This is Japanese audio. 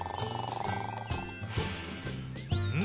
うん？